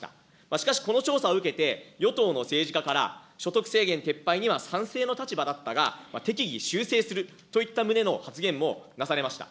しかしこの調査を受けて、与党の政治家から所得制限撤廃には賛成の立場だったが、適宜修正するといった旨の発言もなされました。